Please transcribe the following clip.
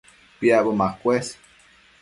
Piacbo macuës